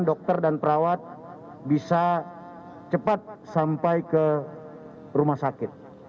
dokter dan perawat bisa cepat sampai ke rumah sakit